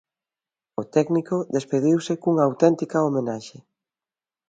O técnico despediuse cunha auténtica homenaxe.